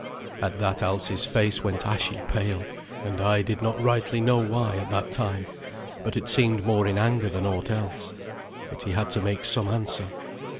At that Alsi's face went ashy pale, and I did not rightly know why at the time, but it seemed more in anger than aught else. But he had to make some answer.